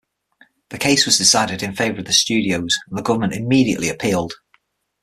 The case was decided in favor of the studios, and the government immediately appealed.